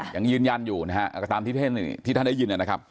ยังยืนยันอยู่นะฮะก็ตามที่ท่านได้ยินนะครับ